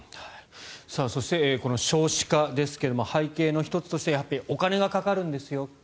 そして、この少子化ですが背景の１つとしてお金がかかるんですよ。